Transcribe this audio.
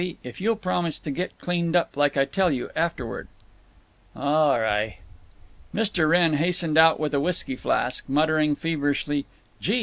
—if you'll promise to get cleaned up, like I tell you, afterward." "All ri'." Mr. Wrenn hastened out with a whisky flask, muttering, feverishly, "Gee!